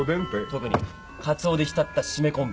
特にカツオで浸ったしめ昆布。